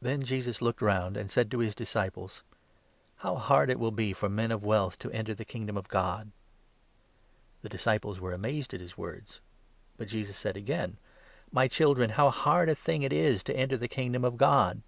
Then Jesus looked round, and said to his disciples : 23 " How hard it will be for men of wealth to enter the Kingdom of God !" The disciples were amazed at his words. But Jesus said 24 again : "My children, how hard a thing it is to enter the Kingdom of God